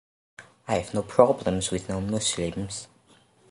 I have no problems with non-Muslims.